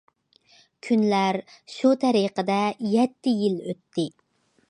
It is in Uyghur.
كۈنلەر شۇ تەرىقىدە يەتتە يىل ئۆتتى.